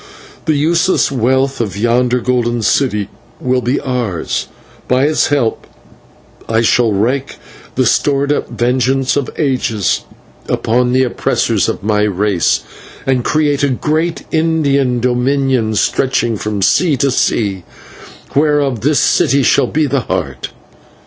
The useless wealth of yonder Golden City will be ours, and by its help I shall wreak the stored up vengeance of ages upon the oppressors of my race, and create a great Indian Dominion stretching from sea to sea, whereof this city shall be the heart."